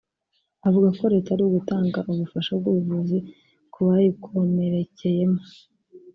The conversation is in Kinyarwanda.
avuga ko Leta iri gutanga ubufasha bw’ubuvuzi ku bayikomerekeyemo